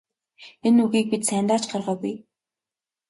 Энэ үгийг бид сайндаа ч гаргаагүй.